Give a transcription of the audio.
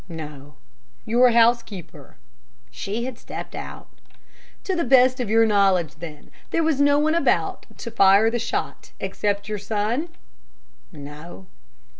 "No." "Your housekeeper?" "She had stepped out." "To the best of your knowledge, then, there was no one about to fire the shot except your son?" "No."